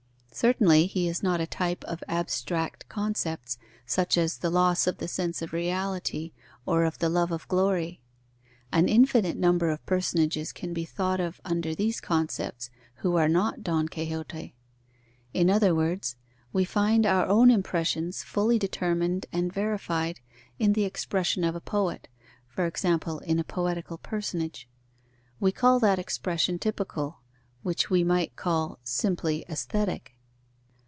Certainly he is not a type of abstract concepts, such as the loss of the sense of reality, or of the love of glory. An infinite number of personages can be thought of under these concepts, who are not Don Quixote. In other words, we find our own impressions fully determined and verified in the expression of a poet (for example in a poetical personage). We call that expression typical, which we might call simply aesthetic.